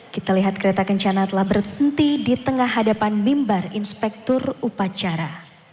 kita lihat kereta kencana telah berhenti di tengah hadapan mimbar inspektur upacara